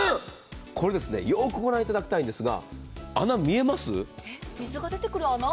これ、よくご覧いただきたいんですが、穴、見えます？